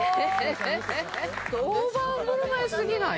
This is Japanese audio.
大盤ぶるまいすぎない？